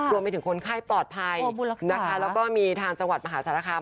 รวมไปถึงคนไข้ปลอดภัยนะคะแล้วก็มีทางจังหวัดมหาสารคาม